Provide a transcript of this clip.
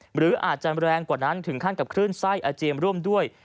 หรืออาจจะแรงกว่านั้นถึงขั้นกับคลื่นไส้อาเจียมร่วมด้วย